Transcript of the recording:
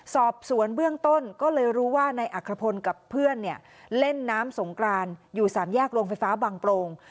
สอบสวนเบื้องต้นก็เลยรู้ว่านายอัครพลกับเพื่อนเนี่ยเล่นน้ำสงกรานอยู่สามแยกโรงไฟฟ้าบางโปรง